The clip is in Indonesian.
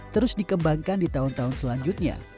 terus dikembangkan di tahun tahun selanjutnya